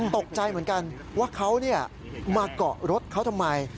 ตกใจเหมือนกันว่าเขามาเกาะรถเขาทำไม